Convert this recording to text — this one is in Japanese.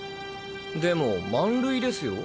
でも満塁ですよ。